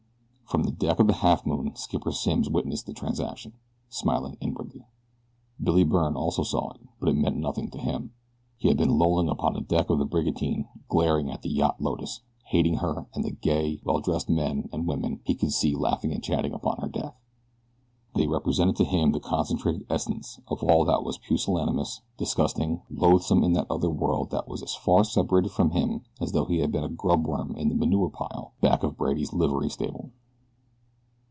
From the deck of the Halfmoon Skipper Simms witnessed the transaction, smiling inwardly. Billy Byrne also saw it, but it meant nothing to him. He had been lolling upon the deck of the brigantine glaring at the yacht Lotus, hating her and the gay, well dressed men and women he could see laughing and chatting upon her deck. They represented to him the concentrated essence of all that was pusillanimous, disgusting, loathsome in that other world that was as far separated from him as though he had been a grubworm in the manure pile back of Brady's livery stable.